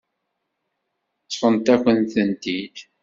Ṭṭfent-akent-tent-id.